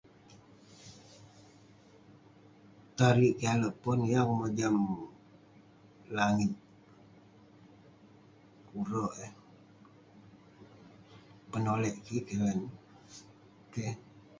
Tariik kik alek pon, yeng akouk mojam langit..kure'rk eh..penolek da inen, keh..